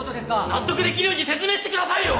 ・納得できるように説明してくださいよ！